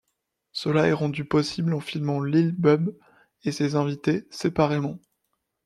Cela est rendu possible en filmant Lil Bub et ses invités séparément.